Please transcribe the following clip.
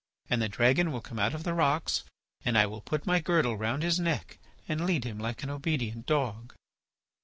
And the dragon will come out of the rocks and I will put my girdle round his neck and lead him like an obedient dog."